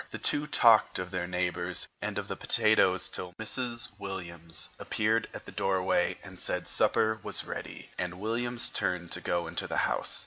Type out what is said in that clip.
The two talked of their neighbors and of the potatoes till Mrs. Williams appeared at the doorway and said supper was ready, and Williams turned to go into the house.